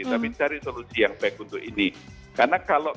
tapi cari solusi yang baik untuk kita dan para anggaran kita